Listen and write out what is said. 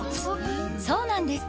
そうなんですよ。